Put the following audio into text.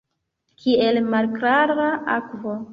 Kiel malklara akvo.